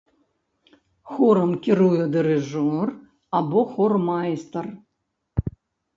Хорам кіруе дырыжор або хормайстар.